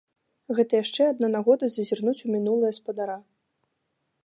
Гэта яшчэ адна нагода зазірнуць у мінулае спадара.